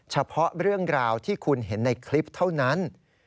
เฉพาะเรื่องราวที่คุณเห็นในคลิปเท่านั้น